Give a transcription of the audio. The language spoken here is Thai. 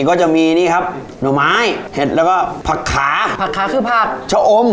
เขียวลืมลืม